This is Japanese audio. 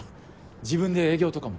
自分で営業とかも？